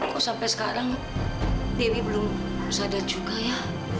kok sampai sekarang dewi belum sadar juga ya